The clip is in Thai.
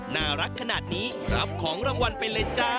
น่ารักขนาดนี้รับของรางวัลไปเลยจ้า